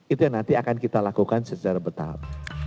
itu yang nanti akan kita lakukan secara bertahap